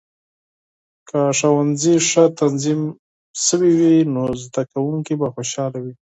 که ښوونځي ښه تنظیم شوي وي، نو زده کونکې به خوشاله وي.